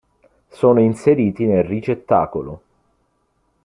Sono inseriti nel ricettacolo.